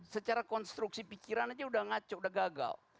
secara konstruksi pikiran aja udah ngaco udah gagal